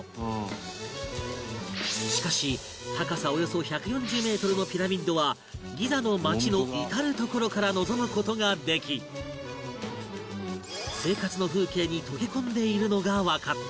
しかし高さおよそ１４０メートルのピラミッドはギザの街の至る所から望む事ができ生活の風景に溶け込んでいるのがわかった